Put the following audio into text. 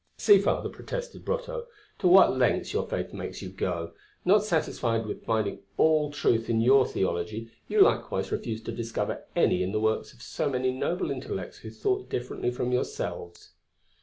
"See, Father," protested Brotteaux, "to what lengths your faith makes you go. Not satisfied with finding all truth in your Theology, you likewise refuse to discover any in the works of so many noble intellects who thought differently from yourselves."